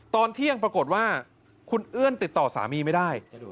ตอนเที่ยงปรากฏว่าคุณเอื้อนติดต่อสามีไม่ได้